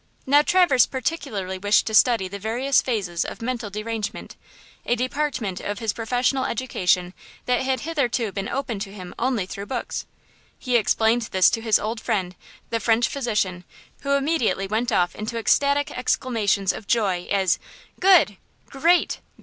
Now Traverse particularly wished to study the various phases of mental derangement, a department of his professional education that had hitherto been opened to him only through books. He explained this to his old friend, the French physician, who immediately went off into ecstatic exclamations of joy as, "Good! Great!